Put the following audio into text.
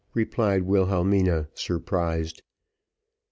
replied Wilhelmina, surprised.